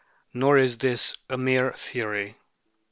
Nor is this mere theory.